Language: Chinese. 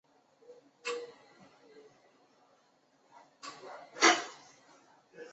此前因为飞碟唱片被华纳音乐收购及唱片合约转移至正东唱片而去向不明。